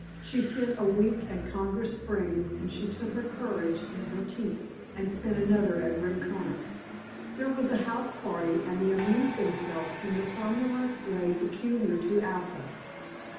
She spent a week at Congress Springs and she took her courage in her teeth and spent another at Rincona. There was a house party and they amused themselves in the somnolent way peculiar to Alta.